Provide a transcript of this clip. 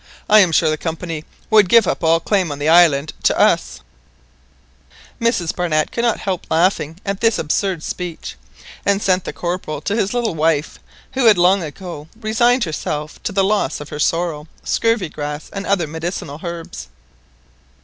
I am sure the Company would give up all claim on the island to us"—— Mrs Barnett could not help laughing at this absurd speech, and sent the Corporal to his little wife, who had long ago resigned herself to the loss of her sorrel, scurvy grass, and other medicinal herbs.